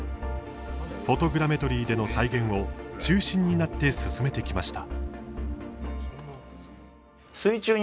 フォトグラメトリーでの再現を中心になって進めてきました。